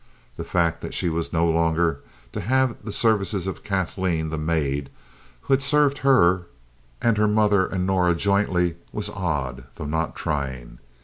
The fact that she was no longer to have the services of Kathleen, the maid who had served her and her mother and Norah jointly, was odd, though not trying.